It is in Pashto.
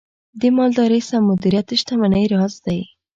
د مالدارۍ سم مدیریت د شتمنۍ راز دی.